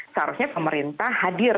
seharusnya pemerintah hadir